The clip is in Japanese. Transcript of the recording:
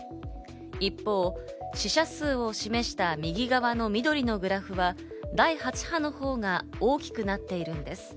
一方、死者数を示した右側の緑のグラフは第８波のほうが大きくなっているんです。